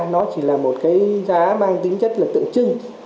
nó chỉ là một cái giá mang tính chất là tượng trưng